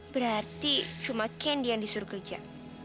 berarti cuma ken yang disuruh kerja